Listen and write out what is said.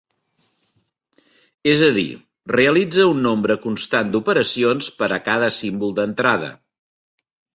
És a dir, realitza un nombre constant d'operacions per a cada símbol d'entrada.